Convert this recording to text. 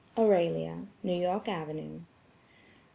Aurelia. New York Avenue.